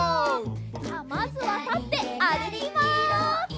さあまずはたってあるきます！